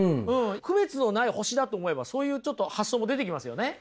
区別のない星だと思えばそういうちょっと発想も出てきますよね。